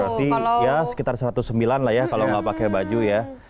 berarti ya sekitar satu ratus sembilan lah ya kalau nggak pakai baju ya